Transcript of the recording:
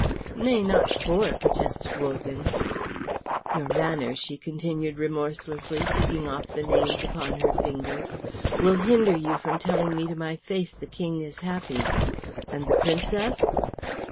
"Nay, not four," protested Wogan. "Your manners," she continued remorselessly, ticking off the names upon her fingers, "will hinder you from telling me to my face the King is happy. And the Princess?"